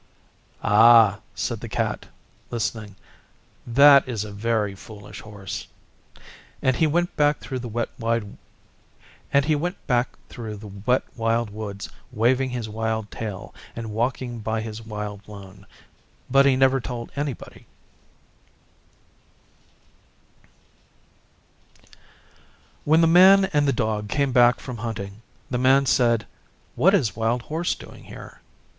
'Ah,' said the Cat, listening, 'that is a very foolish Horse.' And he went back through the Wet Wild Woods, waving his wild tail and walking by his wild lone. But he never told anybody. When the Man and the Dog came back from hunting, the Man said, 'What is Wild Horse doing here?